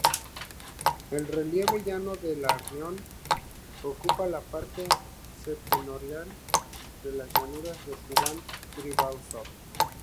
El relieve llano del raión ocupa la parte septentrional de las llanuras de Kubán-Priazov.